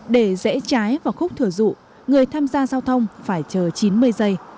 để dễ trái vào khúc thừa dụ người tham gia giao thông phải chờ chín mươi giây